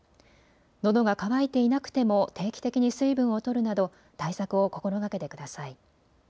のどが渇いていなくても定期的に水分をとるなど対策を心がけてください。